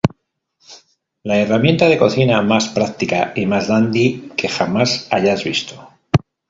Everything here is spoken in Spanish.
La herramienta de cocina más práctica y más dandy que jamás hayas visto.